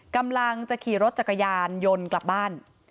กำลังจะขี่รถจักรยานยนต์กลับบ้าน